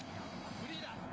フリーだ。